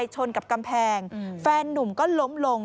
ชนกับกำแพงแฟนนุ่มก็ล้มลง